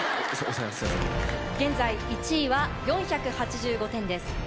現在１位は４８５点です。